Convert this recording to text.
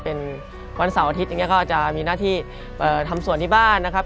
เป็นวันเสาร์อาทิตย์อย่างนี้ก็จะมีหน้าที่ทำส่วนที่บ้านนะครับ